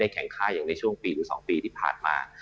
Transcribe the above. แข็งค่าอย่างในช่วงปีหรือ๒ปีที่ผ่านมา